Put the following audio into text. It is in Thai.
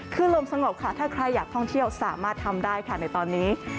คือลมสงบค่ะถ้าใครอยากท่องเที่ยวสามารถทำได้ค่ะในตอนนี้